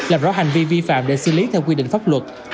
làm rõ hành vi vi phạm để xử lý theo quy định pháp luật